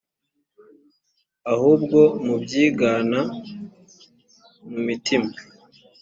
ahubwo mubyigana mu mitima